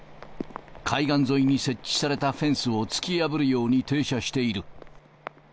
海岸沿いに設置されたフェンスを突き破るように停車している。